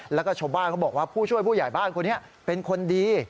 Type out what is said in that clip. แล้วก็ชาวบ้านเขาบอกว่าผู้ช่วยผู้ใหญ่บ้านคนนี้เป็นคนดี